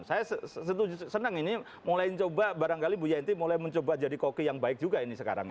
saya senang ini mulai mencoba barangkali bu yanti mulai mencoba jadi koki yang baik juga ini sekarang